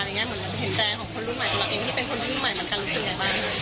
เห็นแปลงของคนรุ่นใหม่ของเราเองที่เป็นคนรุ่นใหม่เหมือนกันรู้สึกไงบ้าง